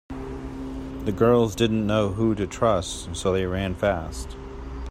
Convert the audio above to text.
The girls didn’t know who to trust so they ran fast.